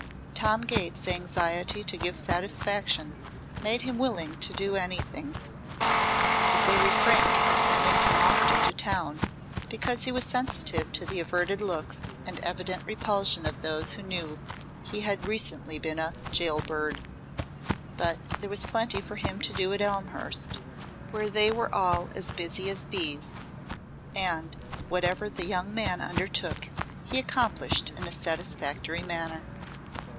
Tom Gates's anxiety to give satisfaction made him willing to do anything, but they refrained from sending him often to town because he was sensitive to the averted looks and evident repulsion of those who knew he had recently been a "jail bird." But there was plenty for him to do at Elmhurst, where they were all as busy as bees; and whatever the young man undertook he accomplished in a satisfactory manner.